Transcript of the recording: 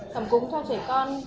cẳm cúm cho trẻ con